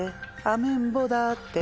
アメンボだって